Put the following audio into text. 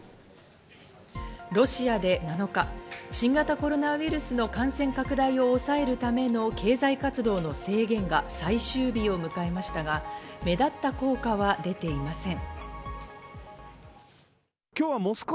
ロシアで７日、新型コロナウイルスの感染拡大を抑えるための経済活動の制限が最終日を迎えましたが目立った効果は出ていません。